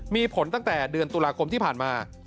มีผลตั้งแต่เดือนตุลาคมที่ผ่านมา